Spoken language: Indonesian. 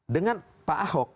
dengan pak ahok